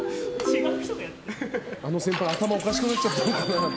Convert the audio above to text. あの先輩、頭おかしくなっちゃったのかなって。